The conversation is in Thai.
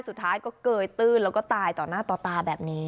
สุดท้ายก็เกยตื้นแล้วก็ตายต่อหน้าต่อตาแบบนี้